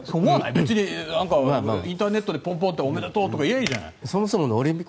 別にインターネットでポンポンとおめでとうとか言えばいいじゃない。